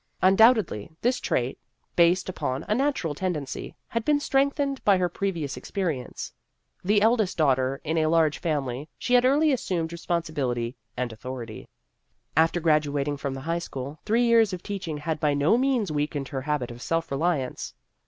Undoubtedly, this trait, based upon a natural tendency, had been strengthened by her previous experience. The eldest daughter in a The Career of a Radical 105 large family, she had early assumed re sponsibility and authority. After gradu ating from the high school, three years of teaching had by no means weakened her habit of self reliance.